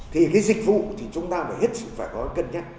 thì cái dịch vụ thì chúng ta phải hết sức phải có cân nhắc